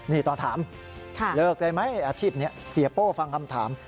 นี่ตอนถามเลิกได้ไหมอาชีพนี้เสียโป้ฟังคำถาม